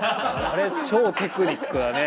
あれ超テクニックだね。